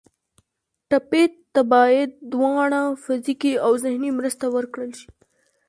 ټپي ته باید دواړه فزیکي او ذهني مرسته ورکړل شي.